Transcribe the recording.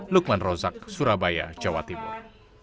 lukman rozak surabaya jawa timur